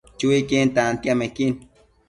Chuiquin tantiamequin